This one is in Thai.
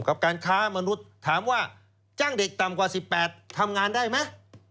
กับการค้ามนุษย์ถามว่าจ้างเด็กต่ำกว่า๑๘ทำงานได้ไหม